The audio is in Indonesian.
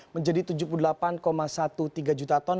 menjadi tujuh puluh delapan tiga belas juta ton